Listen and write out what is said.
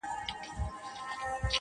بلا خبرې چي په زړه کي لکه ته پاتې دي~